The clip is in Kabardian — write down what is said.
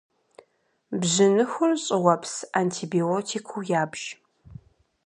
Бжьыныхур щӏыуэпс антибиотикыу ябж.